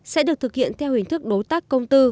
sẽ được thực hiện theo hình thức đối tác công tư